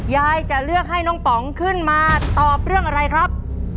ยายจะเลือกให้น้องป๋องขึ้นมาตอบเรื่องอะไรครับ